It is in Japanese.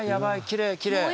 きれいきれい！